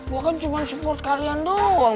gue kan cuma support kalian doang